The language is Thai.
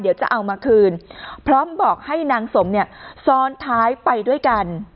เดี๋ยวจะเอามาคืนพร้อมบอกให้นางสมเนี่ยซ้อนท้ายไปด้วยกัน